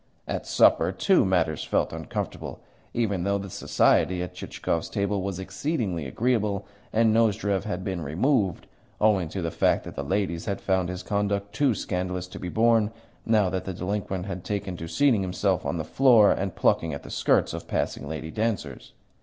At supper, too, matters felt uncomfortable, even though the society at Chichikov's table was exceedingly agreeable and Nozdrev had been removed, owing to the fact that the ladies had found his conduct too scandalous to be borne, now that the delinquent had taken to seating himself on the floor and plucking at the skirts of passing lady dancers.